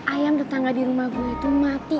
ayam tetangga di rumah gue itu mati